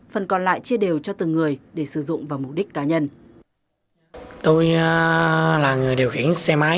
phần còn lại chia đều cho từng người để sử dụng vào mục đích cá nhân